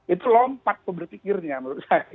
itu lompat pemikirnya menurut saya